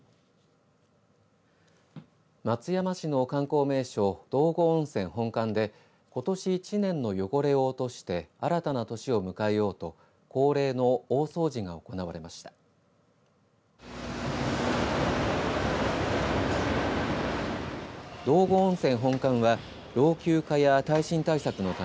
松山市の観光名所道後温泉本館でことし１年の汚れを落として新たな年を迎えようと恒例の大掃除が行われました。